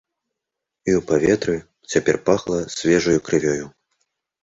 І ў паветры цяпер пахла свежаю крывёю.